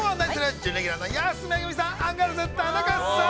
準レギュラーの安めぐみさん、アンガールズ田中さん。